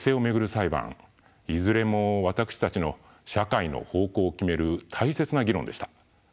裁判いずれも私たちの社会の方向を決める大切な議論でした。